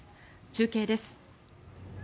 中継です。